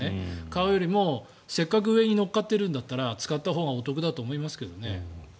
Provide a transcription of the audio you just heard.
買うよりもせっかく上に乗っかっているんだったら使ったほうがお得だと思いますけどね。